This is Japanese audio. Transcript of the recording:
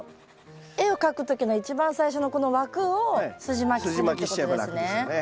絵を描く時の一番最初のこの枠をすじまきするってことですね。